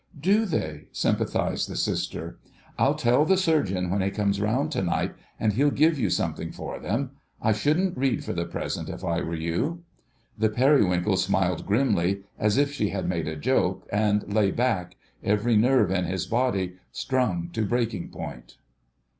"Do they?" sympathised the Sister. "I'll tell the Surgeon when he comes round to night, and he'll give you something for them. I shouldn't read for the present if I were you." The Periwinkle smiled grimly, as if she had made a joke, and lay back, every nerve in his body strung to breaking point.